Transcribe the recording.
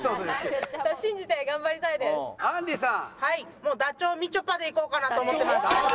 もうダチョウみちょぱでいこうかなと思ってます。